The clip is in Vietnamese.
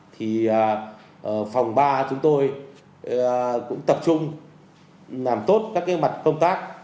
thì phòng ba chúng tôi cũng tập trung làm tốt các mặt công tác